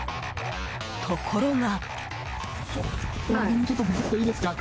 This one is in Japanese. ところが。